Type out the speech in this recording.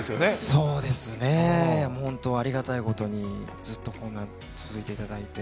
そうですね、ホント、ありがたいことにずっと続いていただいて。